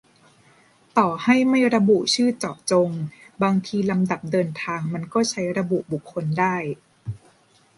- ต่อให้ไม่ระบุชื่อเจาะจง บางทีลำดับเดินทางมันก็ใช้ระบุบุคคลได้